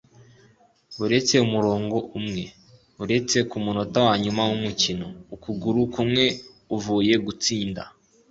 Baretse umurongo umwe. Baretse ku munota wa nyuma w'umukino ukuguru kumwe uvuye gutsinda.